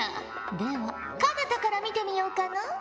では奏多から見てみようかのう。